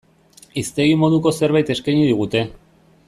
Hiztegi moduko zerbait eskaini digute.